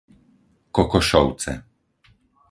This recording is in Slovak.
Kokošovce